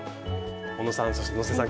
おのさんそして能勢さん